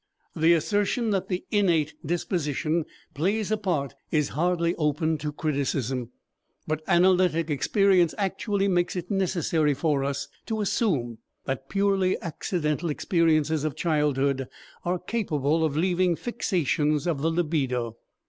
The assertion that the innate disposition plays a part is hardly open to criticism, but analytic experience actually makes it necessary for us to assume that purely accidental experiences of childhood are capable of leaving fixations of the libido.